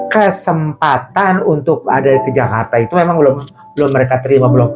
kesempatan untuk ada ke jakarta itu memang belum mereka terima belum